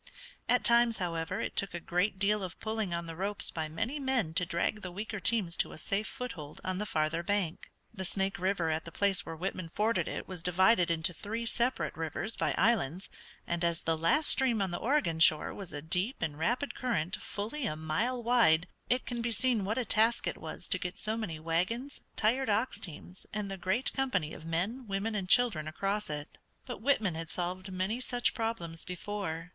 At times, however, it took a great deal of pulling on the ropes by many men to drag the weaker teams to a safe foothold on the farther bank. The Snake River at the place where Whitman forded it was divided into three separate rivers by islands, and as the last stream on the Oregon shore was a deep and rapid current fully a mile wide, it can be seen what a task it was to get so many wagons, tired ox teams, and the great company of men, women and children across it. But Whitman had solved many such problems before.